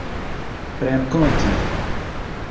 renkonti